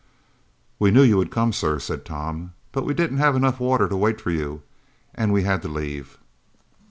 "We knew you would come, sir," said Tom, "but we didn't have enough water to wait for you and we had to leave."